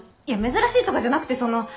いや珍しいとかじゃなくてその。